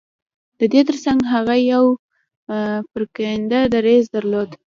د دې ترڅنګ هغه يو پرېکنده دريځ درلود.